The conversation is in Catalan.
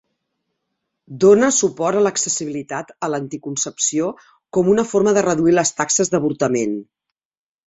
Dóna suport a l'accessibilitat a l'anticoncepció com una forma de reduir les taxes d'avortament.